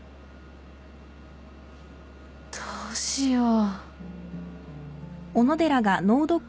どうしよう。